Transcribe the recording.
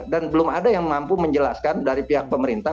dan belum ada yang mampu menjelaskan dari pihak pemerintah